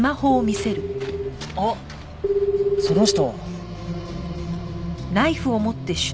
あっその人。